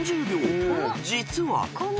［実は］